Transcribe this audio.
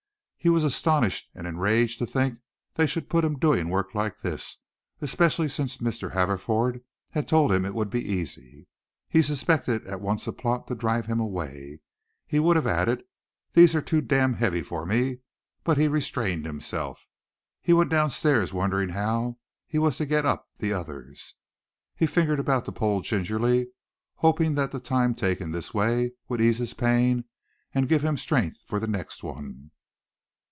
He was astonished and enraged to think they should put him to doing work like this, especially since Mr. Haverford had told him it would be easy. He suspected at once a plot to drive him away. He would have added "these are too damn heavy for me," but he restrained himself. He went down stairs wondering how he was to get up the others. He fingered about the pole gingerly hoping that the time taken this way would ease his pain and give him strength for the next one.